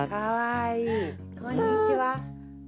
こんにちは。